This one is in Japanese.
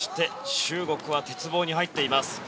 そして、中国は鉄棒に入っています。